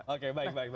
oke baik baik baik